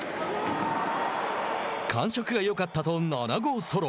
感触がよかったと７号ソロ。